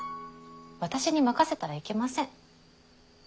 私に任せたらいけません。